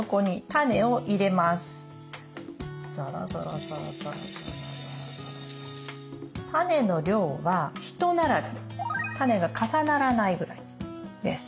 タネの量は一並びタネが重ならないぐらいです。